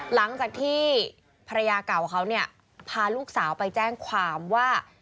หลังจากที่ภรรยาเก่าเขาเนี่ยพาลูกสาวไปแจ้งความว่า